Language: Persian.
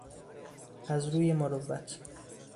از روی مروت